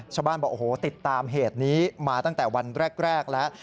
ชาวบ้านบอกโอ้โหติดตามเหตุนี้มาตั้งแต่วันแรกแล้ว